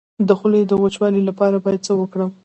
د خولې د وچوالي لپاره باید څه وکړم؟